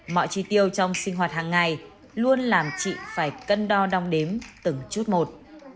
mọi chi tiêu trong sinh hoạt hàng ngày luôn làm chị phải cân đo đong đếm từng chút một